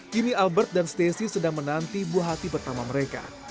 kini albert dan stacey sedang menanti buah hati pertama mereka